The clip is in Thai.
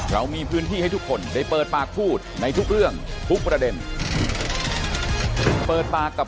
เวลาเขาเปิดปากกับภาคภูมินะครับ